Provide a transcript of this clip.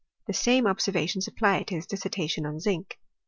The same observations apply to his dissertation on zinc.